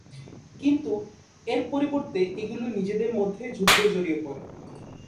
কিন্তু এর পরিবর্তে এগুলি নিজেদের মধ্যে যুদ্ধে জড়িয়ে পড়ে।